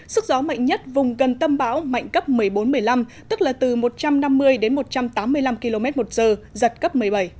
sức gió mạnh nhất vùng gần tâm bão mạnh cấp một mươi bốn một mươi năm tức là từ một trăm năm mươi đến một trăm tám mươi năm km một giờ giật cấp một mươi bảy